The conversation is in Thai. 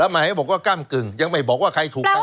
ไม่บอกว่ากล้ามกึ่งยังไม่บอกว่าใครถูกกล้ามกิน